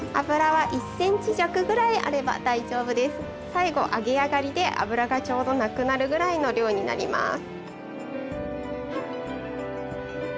最後揚げ上がりで油がちょうど無くなるぐらいの量になります。